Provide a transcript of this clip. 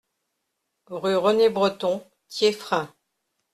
Rue René Breton, Thieffrain